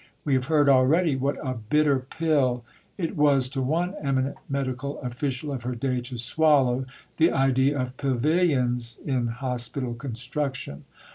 We have heard already what "a bitter pill" it was to one eminent medical official of her day to swallow the idea of "pavilions" in hospital construction.